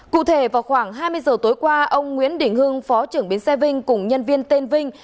cụ thể vào khoảng hai mươi giờ tối qua ông nguyễn đình hưng phó trưởng biến xe vinh cùng nhân viên tên vinh